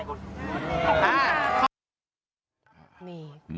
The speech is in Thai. คือจริงขอถาม๓คำถาม